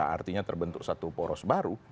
artinya terbentuk satu poros baru